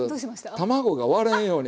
卵が割れんように。